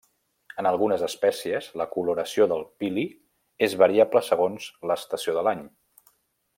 En algunes espècies la coloració del pili és variable segons l'estació de l'any.